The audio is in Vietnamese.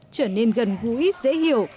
trở nên gần gũi dễ hiểu